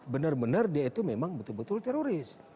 benar benar dia itu memang betul betul teroris